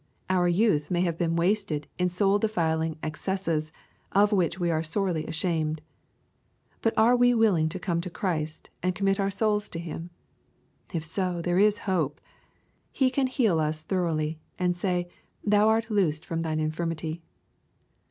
Our youth may have been wasted in soul defiling excesses, of which we are sorely ashamed. But are we willing to come to Christ, and commit our souls to Him ? If so, there is hope. He can heal us thoroughly, and say, " thou art loosed from thine infirmity."